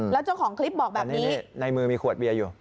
แล้วเจ้าของคลิปบอกแบบนี้ในมือมีขวดเบียร์อยู่